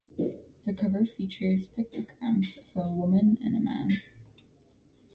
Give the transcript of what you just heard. The cover features pictograms of a woman and a man.